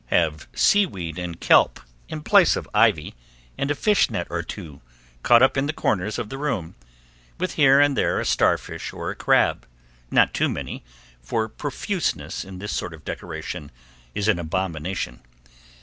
Have seaweed and kelp in place of ivy, and a fish net or two caught up in the corners of the room, with here and there a starfish or a crab not too many, for profuseness in this sort of decoration is an abomination.